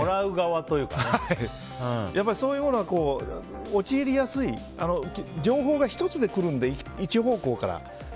そういうものに陥りやすい情報が１つで来るので一方向から。